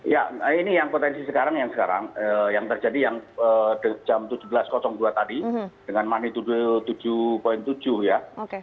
ya ini yang potensi sekarang yang sekarang yang terjadi yang jam tujuh belas dua tadi dengan magnitude tujuh tujuh ya